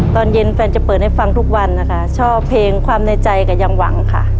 ตอนเย็นแฟนจะเปิดให้ฟังทุกวันนะคะชอบเพลงความในใจก็ยังหวังค่ะ